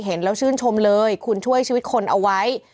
เห็นแล้วชื่นชมเลยคุณช่วยชีวิตคนเอาไว้